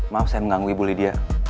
maaf saya mengganggu ibu lydia